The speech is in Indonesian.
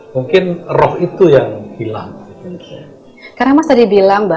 mungkin roh itu yang hilang